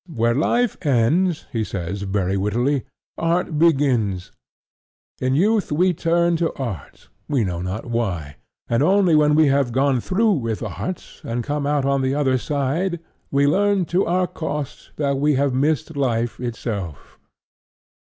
"Where life ends," he says, very wittily, "Art begins. In youth we turn to Art, we know not why; and only when we have gone through with Art and come out on the other side, we learn to our cost that we have missed Life itself."